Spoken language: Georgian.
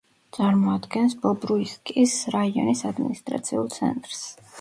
წარმოადგენს ბობრუისკის რაიონის ადმინისტრაციულ ცენტრს.